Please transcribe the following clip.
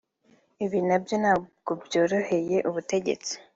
Ibi nabyo ntabwo byoroheye ubutegetsi